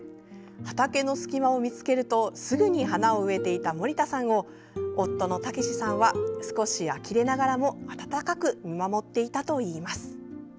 畑の隙間を見つけるとすぐに花を植えていた森田さんを夫の武さんは少しあきれながらも温かく見守っていたといいます。